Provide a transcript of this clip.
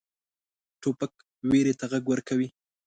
توپک ویرې ته غږ ورکوي.